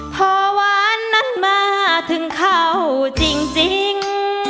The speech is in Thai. พอหวานนั้นมาถึงเขาจริง